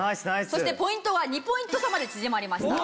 そしてポイントは２ポイント差まで縮まりました。